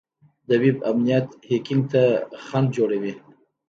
د ویب امنیت هیکینګ ته خنډ جوړوي.